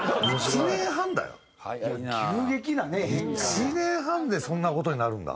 １年半でそんな事になるんだ。